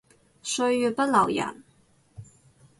歲月不留人